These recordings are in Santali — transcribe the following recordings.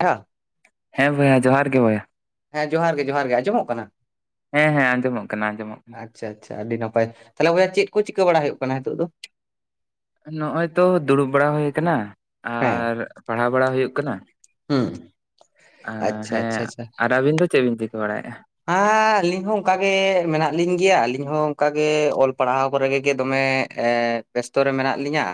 ᱠᱷᱮᱸᱼᱭᱟᱸ ᱾ ᱦᱮᱸ, ᱵᱚᱭᱦᱟ ᱡᱚᱦᱟᱨ ᱜᱮ, ᱵᱚᱭᱦᱟ ᱾ ᱦᱮᱸ, ᱡᱚᱦᱟᱨ ᱜᱮ ᱡᱚᱦᱟᱨ ᱜᱮ, ᱟᱸᱡᱚᱢᱚᱜ ᱠᱟᱱᱟ ᱾ ᱦᱮᱸᱦᱮᱸ, ᱟᱸᱡᱚᱢᱚᱜ ᱠᱟᱱᱟ, ᱟᱸᱡᱚᱢᱚᱜ ᱠᱟᱱᱟ ᱾ ᱟᱪᱪᱷᱟ ᱟᱪᱪᱷᱟ, ᱟᱹᱰᱤ ᱱᱟᱯᱟᱭ, ᱛᱟᱦᱞᱮ ᱵᱚᱭᱦᱟ, ᱪᱮᱫ ᱠᱚ, ᱪᱤᱠᱟᱹ ᱵᱟᱲᱟ ᱦᱩᱭᱩᱜ ᱠᱟᱱᱟ ᱱᱤᱛᱚᱜ ᱫᱚ? ᱱᱚᱜᱼᱚᱭ ᱛᱚ, ᱫᱩᱲᱩᱵ ᱵᱟᱲᱟ ᱦᱩᱭ ᱟᱠᱟᱱᱟ, ᱦᱮᱸ ᱟᱨ ᱯᱟᱲᱦᱟᱣ ᱵᱟᱲᱟ, ᱦᱩᱭᱩᱜ ᱠᱟᱱᱟ ᱦᱩᱸ ᱾ ᱟᱸ ᱟᱪᱪᱷᱟ ᱟᱪᱪᱷᱟ ᱦᱮᱸ, ᱟᱨ ᱟᱹᱵᱤᱱ ᱫᱚ, ᱪᱮᱫ ᱵᱤᱱ ᱪᱤᱠᱟᱹ ᱵᱟᱲᱟᱭᱮᱜᱼᱟ? ᱟᱸᱻ ᱟᱹᱞᱤᱧ ᱦᱚᱸ, ᱚᱱᱠᱟᱜ ᱜᱮ ᱢᱮᱱᱟᱜ ᱞᱤᱧ ᱜᱮᱭᱟ, ᱟᱹᱞᱤᱧ ᱦᱚᱸ ᱚᱱᱠᱟ ᱜᱮ, ᱚᱞ ᱯᱟᱲᱦᱟᱣ ᱠᱚᱨᱮ ᱜᱮ, ᱫᱚᱢᱮ ᱵᱮᱥᱛᱚ ᱨᱮ, ᱢᱮᱱᱟᱜ ᱞᱤᱧᱟᱹ,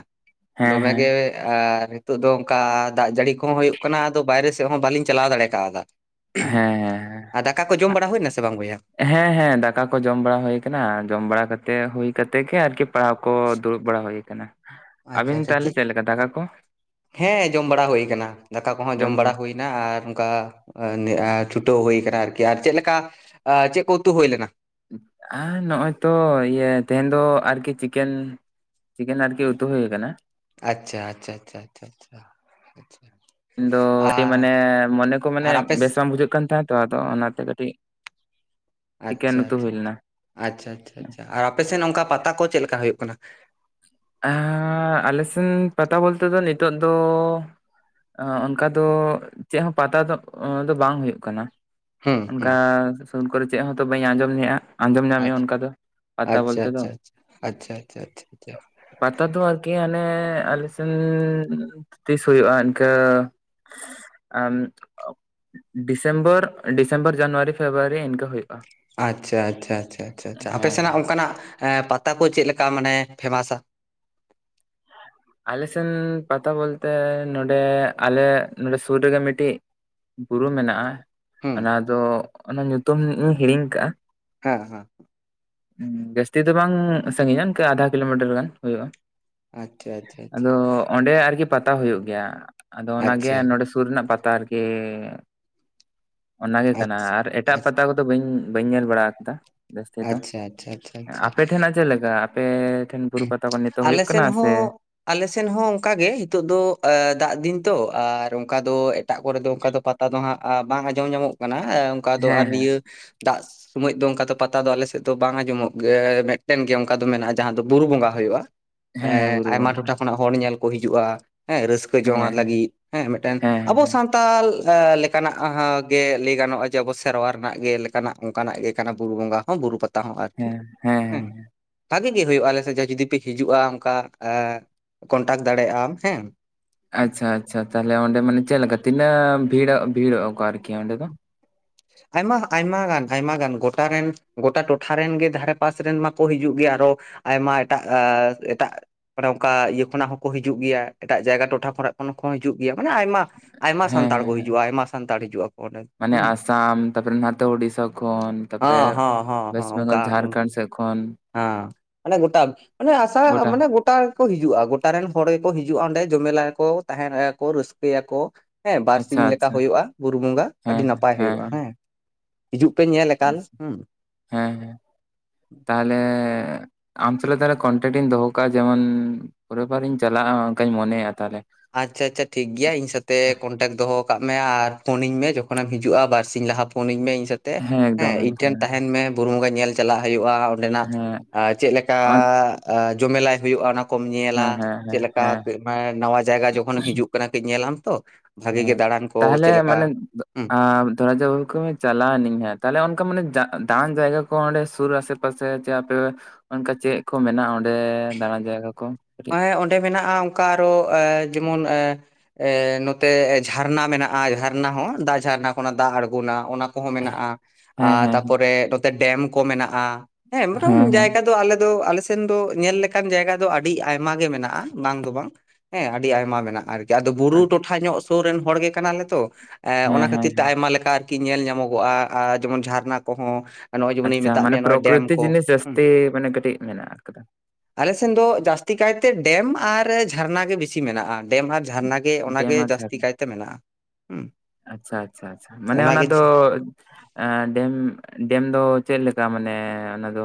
ᱦᱮᱸ ᱫᱚᱢᱮ ᱦᱮᱸ ᱜᱮ ᱾ ᱟᱼᱨ, ᱱᱤᱛᱚᱜ ᱫᱚ, ᱚᱝᱠᱟ ᱫᱟᱜ ᱡᱟᱹᱲᱤ ᱠᱚᱦᱚᱸ, ᱦᱳᱭᱳᱜ ᱠᱟᱱᱟ ᱾ ᱟᱫᱚ, ᱵᱟᱭᱨᱮ ᱥᱮᱫ ᱦᱚᱸ, ᱵᱟᱹᱞᱤᱧ ᱪᱟᱞᱟᱣ ᱫᱟᱲᱮ ᱟᱠᱟᱣᱫᱟ ᱾ ᱦᱮᱸᱻᱦᱮᱸᱻᱦᱮᱸ ᱾ ᱡᱚᱢ ᱵᱟᱲᱟ, ᱦᱩᱭ ᱮᱱᱟ ᱥᱮ, ᱵᱟᱝ ᱵᱚᱭᱦᱟ? ᱦᱮᱸᱦᱮᱸ, ᱫᱟᱠᱟ ᱠᱚ, ᱡᱚᱢ ᱵᱟᱲᱟ ᱦᱩᱭ ᱟᱠᱟᱱᱟ, ᱟᱨ ᱡᱚᱢ ᱵᱟᱲᱟ ᱠᱟᱛᱮ, ᱦᱩᱭ ᱠᱟᱛᱮ ᱜᱮ, ᱟᱨᱠᱤ ᱯᱟᱲᱦᱟᱣ ᱠᱚ, ᱫᱩᱲᱩᱵ ᱵᱟᱲᱟ ᱦᱩᱭ ᱟᱠᱟᱱᱟ ᱾ ᱟᱪᱪᱷᱟ ᱟᱪᱪᱷᱟ ᱪᱮᱜ? ᱦᱮᱸ, ᱡᱚᱢ ᱵᱟᱲᱟ ᱦᱩᱭ ᱟᱠᱟᱱᱟ, ᱫᱟᱠᱟ ᱠᱚᱦᱚᱸ ᱡᱚᱢ ᱵᱟᱲᱟ ᱦᱩᱭ ᱱᱟ ᱟᱨ ᱚᱱᱠᱟ, ᱪᱷᱩᱴᱟᱹᱣ ᱦᱩᱭ ᱟᱠᱟᱱᱟ, ᱟᱨᱠᱤ, ᱟᱨ ᱪᱮᱫ ᱞᱮᱠᱟ? ᱪᱮᱫ ᱠᱚ, ᱩᱛᱩ ᱦᱩᱭ ᱞᱮᱱᱟ? ᱟᱸ ᱱᱚᱜᱼᱚᱭ ᱛᱚ, ᱤᱭᱟᱹ ᱛᱮᱦᱮᱱ ᱫᱚ, ᱟᱨᱠᱤ ᱪᱤᱠᱮᱱ ᱪᱤᱠᱮᱱ ᱟᱨᱜᱮ ᱩᱛᱩ ᱦᱩᱭ ᱟᱠᱟᱱᱟ? ᱟᱪᱪᱷᱟ ᱟᱪᱪᱷᱟ, ᱟᱪᱪᱷᱟ ᱪᱷᱟ ᱪᱷᱟ, ᱟᱪᱪᱟ ᱟᱪᱪᱟ ᱾ [inaudible] ᱤᱧ ᱫᱚ, ᱠᱟᱴᱤᱡ ᱢᱟᱱᱮ, ᱢᱚᱱᱮ ᱠᱚ ᱢᱟᱱᱮ ᱟᱨ ᱟᱯᱮ ᱵᱮᱥ ᱵᱟᱝ ᱵᱩᱡᱷᱟᱹᱜ ᱠᱟᱱ ᱛᱟᱦᱮᱸᱜ ᱟᱛᱚ, ᱟᱫᱚ, ᱚᱱᱟᱛᱮ ᱠᱟᱹᱴᱤᱡ ᱪᱤᱠᱮᱱ ᱟᱪᱪᱷᱟ ᱩᱛᱩ ᱦᱩᱭ ᱟᱪᱪᱷᱟ ᱞᱮᱱᱟ ᱟᱪᱪᱟ ᱪᱪᱷᱟ ᱟᱪᱪᱷᱟ, ᱟᱪᱷᱟ ᱟᱨ ᱟᱯᱮᱥᱮᱱ ᱚᱱᱠᱟ, ᱯᱟᱛᱟ ᱠᱚ, ᱪᱮᱫ ᱞᱮᱠᱟ ᱦᱳᱭᱳᱜ ᱠᱟᱱᱟ? ᱟᱻ ᱟᱞᱮ ᱥᱮᱱ, ᱯᱟᱛᱟ ᱵᱚᱞᱛᱮ ᱫᱚ, ᱱᱤᱛᱚᱜ ᱫᱚ ᱟᱸᱻ ᱚᱱᱠᱟ ᱫᱚ, ᱪᱮᱜ ᱦᱚᱸ, ᱯᱟᱛᱟ ᱫᱚ, ᱚᱸ ᱫᱚ ᱵᱟᱝ ᱦᱳᱭᱳᱜ ᱠᱟᱱᱟ ᱾ ᱦᱩᱸ ᱚᱱᱠᱟ ᱦᱩᱸ ᱥᱩᱨ ᱠᱚᱨᱮ, ᱪᱮᱜ ᱦᱚᱸᱛᱚ, ᱵᱟᱹᱧ ᱟᱸᱡᱚᱢ ᱞᱮᱜᱼᱟ? ᱟᱸᱡᱚᱢ ᱧᱟᱢᱮᱜᱼᱟ, ᱟᱪᱪᱷᱟ ᱚᱱᱠᱟ ᱫᱚ, ᱯᱟᱛᱟ ᱟᱪᱪᱷᱟ ᱵᱚᱞᱛᱮ ᱫᱚ ᱟᱪᱪᱷᱟ ᱾ ᱟᱪᱪᱷᱟ ᱟᱪᱪᱷᱟ ᱪᱪᱷᱟ, ᱟᱪᱪᱷᱟ ᱾ ᱯᱟᱛᱟ ᱫᱚ ᱟᱨᱠᱤ ᱦᱟᱸᱱᱮ, ᱟᱞᱮ ᱥᱮᱱ ᱛᱤᱥ ᱦᱳᱭᱳᱜᱼᱟ ᱤᱱᱠᱟᱹ [unintelligible] ᱟᱢ, ᱰᱤᱥᱮᱢᱵᱚᱨ ᱰᱤᱥᱮᱢᱵᱚᱨ, ᱡᱟᱱᱩᱣᱟᱨᱤ, ᱯᱷᱮᱵᱣᱟᱨᱤ ᱤᱱᱠᱟ ᱦᱳᱭᱳᱜᱼᱟ ᱾ ᱟᱪᱪᱷᱟ ᱟᱪᱪᱷᱟ ᱟᱪᱪᱷᱟ ᱪᱷᱟ, ᱟᱯᱮ ᱦᱮᱸ ᱥᱮᱱᱟᱜ, ᱦᱮᱸ ᱚᱱᱠᱟᱱᱟᱜ? ᱮᱸ, ᱯᱟᱛᱟ ᱠᱚ ᱪᱮᱫ ᱞᱮᱠᱟ? ᱢᱟᱱᱮ, ᱯᱷᱮᱢᱟᱥᱟ? ᱟᱞᱮ ᱥᱮᱱ, ᱯᱟᱛᱟ ᱵᱚᱞᱛᱮ, ᱱᱚᱸᱰᱮ, ᱟᱞᱮ ᱱᱚᱸᱰᱮ ᱥᱩᱨ ᱨᱮᱜᱮ, ᱢᱤᱫᱴᱤᱡ ᱵᱩᱨᱩ ᱢᱮᱱᱟᱜᱼᱟ, ᱦᱩᱸ ᱚᱱᱟ ᱫᱚ, ᱚᱱᱟ ᱧᱩᱛᱩᱢ ᱤᱧ, ᱦᱤᱲᱤᱧ ᱟᱠᱟᱜᱼᱟ ᱾ ᱦᱮᱸᱻᱦᱮᱸ ᱾ ᱡᱟᱹᱥᱛᱤ ᱫᱚ ᱵᱟᱝ ᱥᱟᱺᱜᱤᱧᱟ, ᱤᱱᱠᱟᱹ ᱟᱫᱷᱟ ᱠᱤᱞᱳ ᱢᱤᱴᱟᱨ ᱜᱟᱱ, ᱦᱳᱭᱳᱜᱼᱟ ᱾ ᱟᱪᱪᱷᱟ ᱟᱪᱪᱷᱟ ᱟᱪᱪᱷᱟ ᱾ ᱚᱸᱰᱮ ᱟᱨᱠᱤ ᱯᱟᱛᱟ ᱦᱳᱭᱳᱜ ᱜᱮᱭᱟ, ᱟᱫᱚ, ᱚᱱᱟᱜᱮ, ᱟᱪᱪᱷᱟ ᱱᱚᱸᱰᱮ ᱥᱩᱨ ᱨᱮᱱᱟᱜ, ᱯᱟᱛᱟ ᱟᱨᱠᱤ ᱚᱱᱟᱜᱮ ᱟᱪᱪᱷᱟ ᱠᱟᱱᱟ, ᱟᱨ ᱟᱪᱪᱷᱟ ᱮᱴᱟᱜ ᱯᱟᱛᱟ ᱠᱚᱫᱚ, ᱵᱟᱹᱧ ᱵᱟᱹᱧ, ᱧᱮᱞ ᱵᱟᱲᱟ ᱟᱠᱟᱫᱟ ᱾ ᱟᱪᱪᱷᱟ, ᱟᱪᱪᱷᱟ ᱟᱪᱪᱷᱟ, ᱪᱷᱟ ᱾ ᱟᱯᱮ ᱴᱷᱮᱱᱟᱜ ᱪᱮᱫ ᱞᱮᱠᱟ? ᱟᱯᱮ ᱴᱷᱮᱱ ᱵᱩᱨᱩ ᱯᱟᱛᱟ ᱠᱚ, ᱱᱤᱛᱚᱜ ᱟᱞᱮ ᱦᱩᱭᱩᱜ ᱠᱟᱱᱟ, ᱥᱮᱱ ᱥᱮ ᱦᱚᱸ ᱟᱞᱮ ᱥᱮᱱ ᱦᱚᱸ, ᱚᱱᱠᱟ ᱜᱮ, ᱱᱤᱛᱚᱜ ᱫᱚ, ᱫᱟᱜ ᱫᱤᱱ ᱛᱚ, ᱟᱨ ᱚᱝᱠᱟ ᱫᱚ ᱮᱴᱟᱜ ᱠᱚᱨᱮ ᱫᱚ, ᱚᱱᱠᱟ ᱫᱚ, ᱯᱟ ᱛᱟ ᱫᱚ ᱦᱟᱸᱜ, ᱵᱟᱝ ᱟᱸᱡᱚᱢ ᱧᱟᱢᱚᱜ ᱠᱟᱱᱟ, ᱚᱝᱠᱟ ᱫᱚ, ᱦᱮᱸ ᱟᱨ ᱦᱮᱸ ᱱᱤᱭᱟᱹ ᱫᱟᱜ ᱥᱚᱢᱚᱭᱚᱜ ᱫᱚ, ᱚᱱᱠᱟ ᱫᱚ ᱯᱟᱛᱟ ᱫᱚ, ᱟᱞᱮ ᱥᱮᱫ ᱫᱚ ᱵᱟᱝ ᱟᱸᱡᱚᱢᱚᱜ ᱜᱮ, ᱢᱤᱫᱴᱮᱱ ᱜᱮ, ᱚᱱᱠᱟ ᱫᱚ ᱢᱮᱱᱟᱜᱼᱟ, ᱡᱟᱦᱟᱸ ᱫᱚ ᱵᱩᱨᱩ ᱵᱚᱸᱜᱟ ᱦᱩᱭᱩᱜᱼᱟ, ᱦᱮᱸ ᱦᱮᱸ ᱮᱸᱻ ᱵᱩᱨᱩ ᱟᱭᱢᱟ ᱵᱚᱸᱜᱟ ᱴᱚᱴᱷᱟ ᱠᱷᱚᱱᱟᱜ ᱦᱚᱲ ᱧᱮᱞ ᱠᱚ, ᱦᱤᱡᱩᱜᱼᱟ, ᱦᱮᱸ, ᱨᱟᱹᱥᱠᱟᱹ ᱦᱮᱸ ᱡᱚᱝᱟ ᱦᱮᱸ ᱞᱟᱹᱜᱤᱫ, ᱦᱮᱸ, ᱢᱤᱫᱴᱮᱱ ᱦᱮᱸ ᱟᱵᱚ, ᱦᱮᱸ ᱥᱟᱱᱛ ᱛᱟᱞ ᱞᱮᱠᱟᱱᱟᱜ ᱦᱟᱹ ᱜᱮ ᱞᱟᱹᱭ ᱜᱟᱱᱚᱜᱼᱟ ᱡᱮ ᱟᱵᱚ ᱥᱮᱨᱣᱟ ᱨᱮᱱᱟᱜ ᱜᱮ ᱞᱮᱠᱟᱱᱟᱜ ᱚᱱᱠᱟᱱᱟᱜ ᱜᱮ ᱠᱟᱱᱟ ᱵᱩᱨᱩ ᱵᱚᱸᱜᱟ ᱦᱚᱸ ᱵᱩᱨᱩ ᱯᱟᱛᱟ ᱦᱚᱸ ᱟᱨᱠᱤ ᱦᱮᱸ ᱵᱷᱟᱹᱜᱤ ᱜᱮ ᱦᱩᱭᱩᱜᱼᱟ ᱟᱞᱮ [unintelligible] ᱡᱩᱫᱤ ᱯᱮ ᱦᱤᱡᱩᱜᱼᱟ ᱚᱝᱠᱟ ᱟᱹ ᱠᱚᱱᱴᱟᱠ ᱫᱟᱲᱮᱟᱜ ᱟᱢ ᱦᱮᱸ᱾ ᱟᱪᱪᱷᱟ ᱟᱪᱪᱷᱟ ᱛᱟᱦᱚᱞᱮ ᱚᱸᱰᱮ ᱢᱟᱱᱮ ᱪᱮᱜ ᱞᱮᱠᱟ ᱛᱤᱱᱟᱹᱜ ᱵᱷᱤᱲᱚᱜ ᱵᱷᱤᱲᱚᱜ ᱟᱠᱚ ᱟᱨᱠᱤ ᱚᱸᱰᱮ᱾ ᱫᱚ [inaudible] ᱟᱭᱢᱟ ᱟᱭᱢᱟ ᱜᱟᱱ ᱟᱭᱢᱟ ᱜᱟᱱ ᱜᱚᱴᱟ ᱨᱮᱱ ᱜᱚᱴᱟ ᱴᱚᱴᱷᱟ ᱨᱮᱱ ᱜᱮ ᱫᱷᱟᱨᱮ ᱯᱟᱥ ᱨᱮᱱ ᱢᱟᱠᱚ ᱦᱤᱡᱩᱜ ᱜᱮ ᱟᱨᱚ ᱟᱭᱢᱟ ᱮᱴᱟᱜ ᱟ ᱮᱴᱟᱜ ᱚᱱᱮ ᱚᱱᱠᱟ ᱤᱭᱟᱹ ᱠᱷᱚᱱᱟᱜ ᱦᱚᱸᱠᱚ ᱦᱤᱡᱩᱜ ᱜᱮᱭᱟ ᱮᱴᱟᱜ ᱡᱟᱭᱜᱟ ᱴᱚᱴᱷᱟ ᱠᱷᱚᱱᱟᱜ ᱠᱷᱚᱱ ᱦᱚᱸᱠᱚ ᱦᱤᱡᱩᱜ ᱜᱮᱭᱟ ᱢᱟᱱᱮ ᱟᱭᱢᱟ ᱟᱭᱢᱟ ᱦᱮᱸ ᱥᱟᱱᱛᱟᱲ ᱠᱚ ᱦᱮᱸ ᱦᱤᱡᱩᱜᱼᱟ ᱟᱭᱢᱟ ᱥᱟᱱᱛᱟᱲ ᱦᱤᱡᱩᱜᱼᱟ ᱚᱸᱰᱮ᱾ ᱢᱟᱱᱮ ᱦᱩᱸ ᱟᱥᱟᱢ ᱛᱟᱯᱚᱨᱮ ᱱᱟᱛᱮ ᱳᱲᱤᱥᱟ ᱠᱷᱚᱱ ᱛᱟᱯᱚᱨᱮ ᱦᱚᱸ ᱦᱚᱸ ᱦᱚᱸ ᱚᱭᱮᱥᱴ ᱵᱮᱝᱜᱚᱞ ᱡᱷᱟᱨᱠᱷᱚᱸᱰ ᱥᱮᱜ ᱠᱷᱚᱱ ᱟᱹ ᱢᱟᱱᱮ ᱜᱚᱴᱟ ᱢᱟᱱᱮ ᱟᱥᱟ ᱢᱟᱱᱮ ᱜᱚᱴᱟ ᱜᱮᱠᱚ ᱦᱤᱡᱩᱜᱼᱟ ᱜᱚᱴᱟ ᱨᱮᱱ ᱦᱚᱲ ᱜᱮᱠᱚ ᱦᱤᱡᱩᱜᱼᱟ ᱚᱸᱰᱮ ᱡᱚᱢᱮᱞᱟᱭᱟᱠᱚ ᱛᱟᱦᱮᱱᱟᱭᱟ ᱠᱚ ᱨᱟᱹᱥᱠᱟᱹᱭᱟᱠᱚ᱾ ᱦᱮᱸ ᱵᱟᱨ ᱟᱪᱪᱷᱟ ᱥᱤᱧ ᱞᱮᱠᱟ ᱟᱪᱪᱷᱟ ᱦᱩᱭᱩᱜᱼᱟ ᱵᱩᱨᱩ ᱵᱚᱸᱜᱟ ᱟᱹᱰᱤ ᱱᱟᱯᱟᱭ ᱦᱩᱭᱩᱜᱼᱟ ᱦᱮᱸ᱾ ᱦᱤᱡᱩᱜ ᱯᱮ ᱧᱮᱞ ᱟᱠᱟᱞ ᱟᱪᱪᱷᱟ ᱦᱮᱸ᱾ ᱦᱮᱸ ᱦᱮᱸ ᱛᱟᱦᱚᱞᱮ ᱟᱢ ᱥᱟᱞᱟ ᱛᱟᱦᱚᱞᱮ ᱠᱚᱱᱴᱮᱠᱴ ᱤᱧ ᱫᱚᱦᱚ ᱠᱟᱜᱼᱟ ᱡᱮᱢᱚᱱ ᱯᱚᱨᱮ ᱵᱟᱨᱤᱧ ᱪᱟᱞᱟᱜᱼᱟ ᱚᱱᱠᱟᱧ ᱢᱚᱱᱮᱭᱮᱫᱼᱟ ᱛᱟᱦᱚᱞᱮ᱾ ᱟᱪᱪᱷᱟ ᱟᱪᱪᱷᱟ ᱴᱷᱤᱠ ᱜᱮᱭᱟ ᱤᱧ ᱥᱟᱛᱮᱜ ᱠᱚᱱᱴᱮᱠᱴ ᱫᱚᱦᱚ ᱠᱟᱜ ᱢᱮ ᱟᱨ ᱯᱷᱳᱱᱟᱹᱧ ᱢᱮ ᱡᱚᱠᱷᱚᱱᱮᱢ ᱦᱤᱡᱩᱜᱼᱟ ᱵᱟᱨᱥᱤᱧ ᱞᱟᱦᱟ ᱯᱷᱳᱱ ᱟᱹᱧ ᱢᱮ ᱤᱧ ᱥᱟᱛᱮᱜ ᱮᱠᱫᱚᱢ ᱦᱮᱸ ᱤᱧ ᱮᱠᱫᱚᱢ ᱴᱷᱮᱱ ᱮᱠᱫᱚᱢ ᱛᱟᱦᱮᱱ ᱢᱮ ᱵᱩᱨᱩ ᱵᱚᱸᱜᱟ ᱧᱮᱞ ᱪᱟᱞᱟᱜ ᱦᱩᱭᱩᱜᱼᱟ᱾ ᱚᱸᱰᱮᱱᱟᱜ ᱦᱮᱸ ᱪᱮᱜ ᱞᱮᱠᱟ ᱚᱱ ᱡᱚᱢᱮᱞᱟᱭ ᱦᱩᱭᱩᱜᱼᱟ ᱚᱱᱟ ᱠᱚᱢ ᱧᱮᱞᱟ ᱦᱮᱸ ᱦᱮᱸ ᱦᱮᱸ ᱪᱮᱜ ᱞᱮᱠᱟ ᱦᱮᱸ ᱱᱟᱣᱟ ᱡᱟᱭᱜᱟ ᱡᱚᱠᱷᱚᱱᱮᱢ ᱦᱤᱡᱩᱜ ᱠᱟᱱᱟ ᱠᱟᱹᱡ ᱧᱮᱞᱟᱢ ᱛᱚ᱾ ᱵᱷᱟᱜᱤ ᱦᱮᱸ ᱜᱮ ᱫᱟᱬᱟᱱ ᱠᱚ ᱛᱟᱦᱞᱮ ᱪᱮᱫ ᱞᱮᱠᱟ ᱢᱟᱱᱮ ᱦᱩᱸ ᱟᱸ ᱫᱷᱚᱨᱟᱡᱟᱣ ᱠᱚᱢᱮ ᱪᱟᱞᱟᱣᱱᱟᱹᱧ ᱦᱮᱸ ᱛᱟᱦᱞᱮ ᱚᱱᱠᱟ ᱢᱟᱱᱮ ᱫᱟᱬᱟᱱ ᱡᱟᱭᱜᱟ ᱠᱚ ᱚᱸᱰᱮ ᱥᱩᱨ ᱟᱥᱮ ᱯᱟᱥᱮ ᱪᱮ ᱟᱯᱮ ᱚᱱᱠᱟ ᱪᱮᱜ ᱠᱚ ᱢᱮᱱᱟᱜᱼᱟ ᱚᱸᱰᱮ ᱫᱟᱬᱟᱱ ᱡᱟᱭᱜᱟ ᱠᱚ? ᱠᱟᱹᱴᱤᱡ ᱦᱮᱸ ᱚᱸᱰᱮ ᱢᱮᱱᱟᱜᱼᱟ ᱚᱱᱠᱟ ᱟᱨᱚ ᱮ ᱡᱮᱢᱚᱱ ᱮ ᱮ ᱱᱚᱛᱮ ᱡᱷᱟᱨᱱᱟ ᱢᱮᱱᱟᱜᱼᱟ ᱡᱷᱟᱨᱱᱟ ᱦᱚᱸ ᱫᱟᱜ ᱡᱷᱟᱨᱱᱟ ᱠᱷᱚᱱᱟᱜ ᱫᱟᱜ ᱟᱬᱜᱚᱱᱟ ᱚᱱᱟ ᱠᱚᱦᱚᱸ ᱢᱮᱱᱟᱜᱼᱟ᱾ ᱦᱮᱸ ᱟᱨ ᱦᱮᱸ ᱛᱟᱯᱚᱨᱮ ᱱᱚᱛᱮ ᱰᱮᱢ ᱠᱚ ᱢᱮᱱᱟᱜᱼᱟ ᱦᱮᱸ ᱢᱚᱴᱟᱢ ᱡᱟᱭᱜᱟ ᱫᱚ ᱟᱞᱮ ᱫᱚ ᱟᱞᱮᱥᱮ ᱥᱮᱱ ᱫᱚ ᱧᱮᱞ ᱞᱮᱠᱟᱱ ᱡᱟᱭᱜᱟ ᱫᱚ ᱟᱹᱰᱤ ᱟᱭᱢᱟ ᱜᱮ ᱢᱮᱱᱟᱜᱼᱟ ᱵᱟᱝ ᱫᱚ ᱵᱟᱝ ᱦᱮᱸ ᱟᱹᱰᱤ ᱟᱭᱢᱟ ᱢᱮᱱᱟᱜᱼᱟ ᱟᱨ ᱟᱫᱚ ᱵᱩᱨᱩ ᱴᱚᱴᱷᱟ ᱧᱚᱜ ᱥᱩᱨ ᱨᱮᱱ ᱦᱚᱲ ᱜᱮ ᱠᱟᱱᱟᱞᱮ ᱛᱚ ᱮ ᱦᱮᱸ ᱚᱱᱟ ᱦᱮᱸ ᱠᱷᱟᱹᱛᱤᱨ ᱛᱮ ᱟᱭᱢᱟ ᱞᱮᱠᱟ ᱠᱤ ᱧᱮᱞ ᱧᱟᱢᱚᱜᱚᱜᱼᱟ ᱟ ᱡᱮᱢᱚᱱ ᱡᱷᱟᱨᱱᱟ ᱠᱚᱦᱚᱸ ᱱᱚᱜᱼᱚᱭ ᱡᱮᱢᱚᱱᱤᱧ ᱟᱪᱪᱷᱟ ᱢᱮᱛᱟᱜ ᱢᱟᱱᱮ ᱢᱮᱭᱟ ᱱᱚᱜᱼᱚᱭ ᱰᱮᱢ ᱯᱨᱚᱠᱨᱤᱛᱤ ᱠᱚ ᱡᱤᱱᱤᱥ ᱦᱩᱸ ᱡᱟᱹᱥᱛᱤ ᱢᱟᱱᱮ ᱠᱟᱹᱴᱤᱜ ᱢᱮᱱᱟᱜ ᱟᱠᱟᱫᱟ᱾ ᱟᱞᱮ ᱥᱮᱱ ᱫᱚ ᱡᱟᱹᱥᱛᱤ ᱠᱟᱭᱛᱮ ᱰᱮᱢ ᱟᱨ ᱡᱷᱟᱨᱱᱟ ᱜᱮ ᱵᱮᱥᱤ ᱢᱮᱱᱟᱜᱼᱟ ᱰᱮᱢ ᱟᱨ ᱡᱷᱟᱨᱱᱟ ᱜᱮ ᱰᱮᱢ ᱚᱱᱟᱜᱮ ᱟᱨ ᱡᱟᱹᱥᱛᱤ ᱡᱷᱟᱨᱱᱟ ᱠᱟᱭᱛᱮ ᱢᱮᱱᱟᱜᱼᱟ᱾ ᱦᱩᱸ ᱟᱪᱪᱷᱟ ᱟᱪᱪᱷᱟ ᱟᱪᱪᱷᱟ ᱢᱟᱱᱮ ᱚᱱᱟ ᱚᱱᱟᱜᱮ ᱫᱚ ᱮ ᱰᱮᱢ ᱰᱮᱢ ᱫᱚ ᱪᱮᱜ ᱞᱮᱠᱟ ᱢᱟᱱᱮ ᱚᱱᱟ ᱫᱚ